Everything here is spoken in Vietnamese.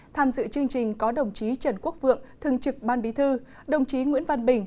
tham dự chương trình có đồng chí trần quốc vượng thường trực ban bí thư đồng chí nguyễn văn bình